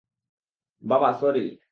বাবা, সরি।